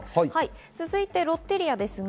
続いてロッテリアです。